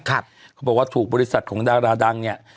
เขาบอกว่าถูกบริษัทของดาราดังเนี่ย